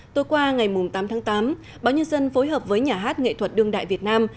tối qua ngày tám tháng tám báo nhân dân phối hợp với nhà hát nghệ thuật đương đại việt nam